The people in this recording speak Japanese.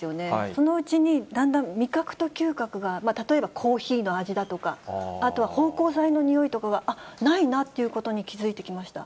そのうちに、だんだん味覚と嗅覚が、例えばコーヒーの味だとか、あとは芳香剤の匂いとかが、あっ、ないなということに気付いてきました。